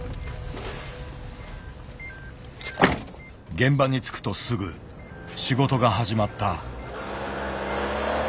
現場に着くとすぐ仕事が始まった。